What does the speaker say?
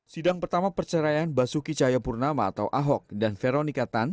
sidang pertama perceraian basuki cahayapurnama atau ahok dan veronika tan